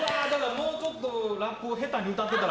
もうちょっとラップを下手に歌ってたら。